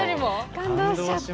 感動しちゃった。